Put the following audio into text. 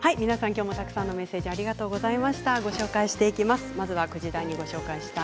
きょうもたくさんのメッセージありがとうございました。